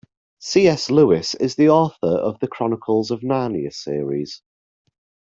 C.S. Lewis is the author of The Chronicles of Narnia series.